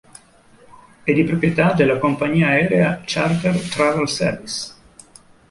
È di proprietà della compagnia aerea charter Travel Service.